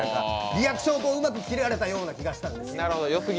リアクションをうまく切られたような気がしたんですよ。